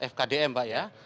fkdm pak ya